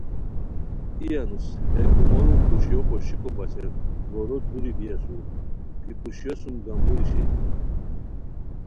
ای انوس ہے کوموروپوشیو پوشیکو بچین گورو دوری بی اسور کی پوشیو سوم گمبوری شینی